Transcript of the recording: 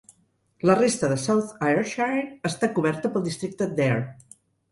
La resta de South Ayrshire està cobertura pel districte d"Ayr.